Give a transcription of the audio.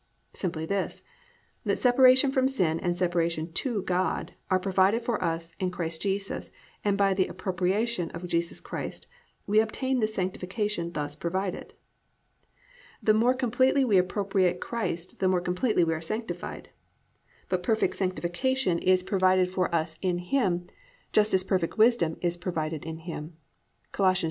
Simply this: that separation from sin and separation to God are provided for us in Christ Jesus and by the appropriation of Jesus Christ we obtain this sanctification thus provided. The more completely we appropriate Christ the more completely are we sanctified. But perfect sanctification is provided for us in Him, just as perfect wisdom is provided in Him (Col.